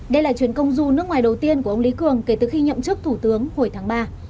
đây là chuyến công du nước ngoài đầu tiên của ông lý cường kể từ khi nhậm chức thủ tướng hồi tháng ba